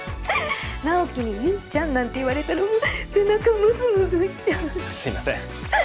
直木に悠依ちゃんなんて言われたらもう背中ムズムズしちゃうすいません